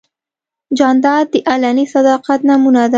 جانداد د علني صداقت نمونه ده.